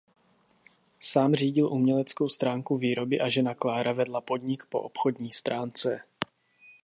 Sám řídil uměleckou stránku výroby a žena Klára vedla podnik po obchodní stránce.